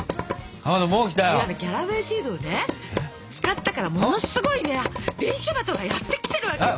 違うのキャラウェイシードをね使ったからものすごい伝書鳩がやって来てるわけよ。